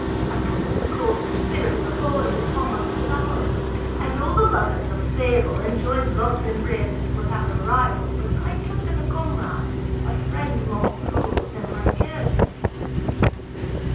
Apollo recalled the spirit of a boy in the form of a flower, and all the lovers of Fable enjoyed Love's embraces without a rival, but I took as a comrade a friend more cruel than Lycurgus!"